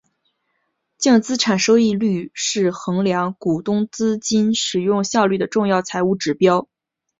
净资产收益率是衡量股东资金使用效率的重要财务指标。